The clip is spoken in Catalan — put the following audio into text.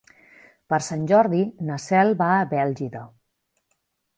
Per Sant Jordi na Cel va a Bèlgida.